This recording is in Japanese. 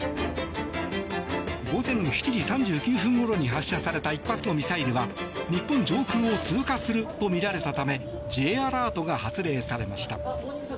午前７時３９分ごろに発射された１発のミサイルは日本上空を通過するとみられたためＪアラートが発令されました。